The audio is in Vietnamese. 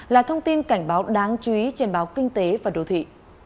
là thông tin cảnh báo đáng chú ý trên báo kinh tế và đô thị